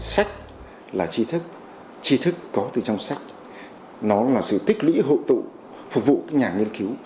sách là chi thức tri thức có từ trong sách nó là sự tích lũy hộ tụ phục vụ các nhà nghiên cứu